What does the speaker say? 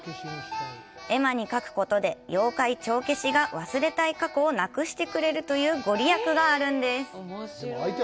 絵馬に書くことで「妖怪チョーケシ」が忘れたい過去をなくしてくれるというご利益があるんです。